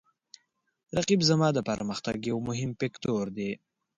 رقیب زما د پرمختګ یو مهم فکتور دی